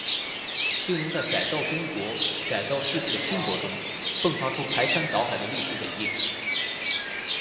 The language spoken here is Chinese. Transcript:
就能在改造中国、改造世界的拼搏中，迸发出排山倒海的历史伟力。